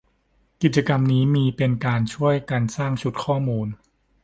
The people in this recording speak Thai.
กิจกรรมนี้มีเป็นการช่วยกันสร้างชุดข้อมูล